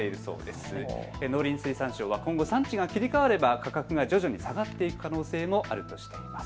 農林水産省は今後、産地が切り替われば価格が徐々に下がっていく可能性もあるとしています。